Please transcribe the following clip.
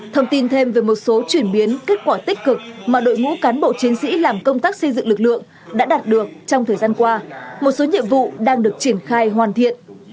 thông tin thêm về một số chuyển biến kết quả tích cực mà đội ngũ cán bộ chiến sĩ làm công tác xây dựng lực lượng đã đạt được trong thời gian qua một số nhiệm vụ đang được triển khai hoàn thiện